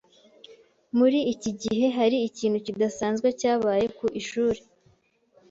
Muri iki gihe hari ikintu kidasanzwe cyabaye ku ishuri?